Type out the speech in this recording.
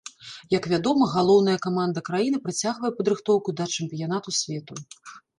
Як вядома, галоўная каманда краіны працягвае падрыхтоўку да чэмпіянату свету.